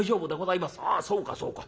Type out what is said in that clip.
『ああそうかそうか。